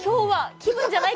気分じゃない？